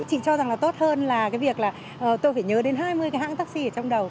chị cho rằng là tốt hơn là cái việc là tôi phải nhớ đến hai mươi cái hãng taxi ở trong đầu